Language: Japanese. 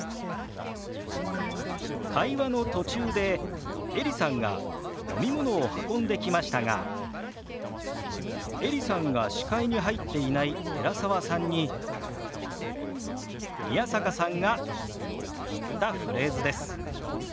会話の途中でエリさんが飲み物を運んできましたがエリさんが視界に入っていない寺澤さんに宮坂さんが言ったフレーズです。